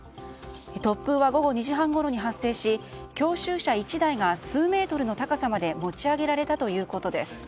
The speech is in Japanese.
突風は午後２時半ごろに発生し教習車１台が数メートルの高さまで持ち上げられたということです。